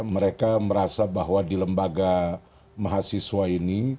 mereka merasa bahwa di lembaga mahasiswa ini